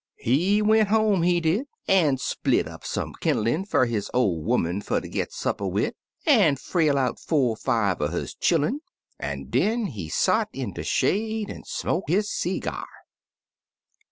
"He went home, he did, an' split up some kin'lin' fer his ol' 'oman fer ter g^t supper wid, an' frail out four five er his chillun, an' den he sot in de shade an' smoke his seegyar.